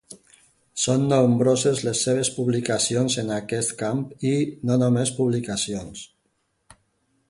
Són nombroses les seves publicacions en aquest camp i no només publicacions.